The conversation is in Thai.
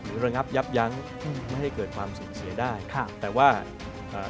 ระงับยับยั้งอืมไม่ให้เกิดความสูญเสียได้ค่ะแต่ว่าอ่า